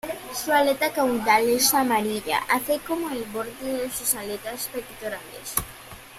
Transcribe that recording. Su aleta caudal es amarilla, así como el borde de sus aletas pectorales.